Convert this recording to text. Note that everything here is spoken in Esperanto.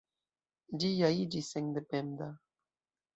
Ĝi ja iĝis sendependa.